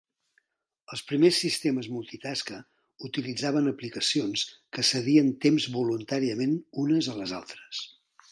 Els primers sistemes multitasca utilitzaven aplicacions que cedien temps voluntàriament unes a les altres.